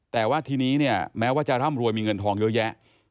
แต่ว่าทีนี้เนี่ยแม้ว่าจะร่ำรวยมีเงินทองเยอะแยะ